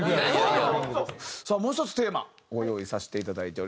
さあもう１つテーマご用意させていただいております。